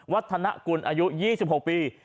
วัฒนกุลอายุ๒๖ปี